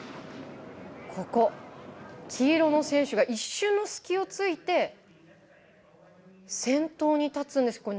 ここ黄色の選手が一瞬の隙を突いて先頭に立つんです。